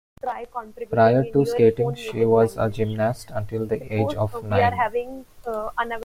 Prior to skating, she was a gymnast until the age of nine.